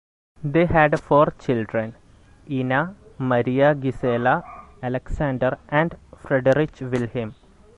They had four children: Ina, Maria-Gisela, Alexander and Friedrich-Wilhelm.